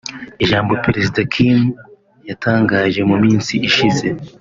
Ijambo Perezida Kim yatangaje mu minsi ishize